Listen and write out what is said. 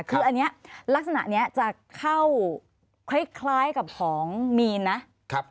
คืออันนี้ลักษณะนี้จะเข้าคล้ายกับของมีนนะ